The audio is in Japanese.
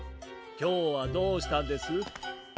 きょうはどうしたんです？